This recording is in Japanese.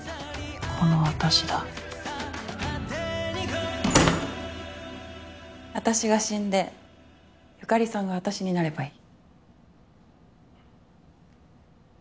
この私だ私が死んで由香里さんが私になればいい。